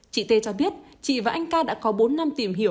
chị t cho biết chị và anh ca đã có bốn năm tìm hiểu